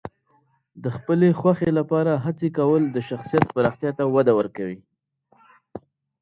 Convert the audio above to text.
د خپلې خوښې لپاره هڅې کول د شخصیت پراختیا ته وده ورکوي.